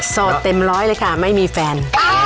เต็มร้อยเลยค่ะไม่มีแฟน